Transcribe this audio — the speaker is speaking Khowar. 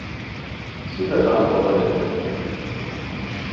سیدھا تان بوغے ریتائے